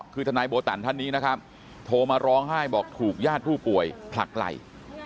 คือทนายโบตันท่านนี้นะครับโทรมาร้องไห้บอกถูกญาติผู้ป่วยผลักไหล่